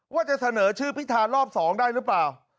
ว่าจะเสนอชื่อพิธารอบ๒ได้หรือเปล่า